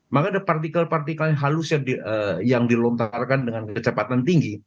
maka ada partikel partikel yang halus yang dilontarkan dengan kecepatan tinggi